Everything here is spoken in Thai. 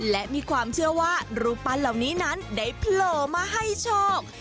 และมีความเชื่อว่ารูปปั้นเหล่านี้นั้นได้โผล่มาให้โชค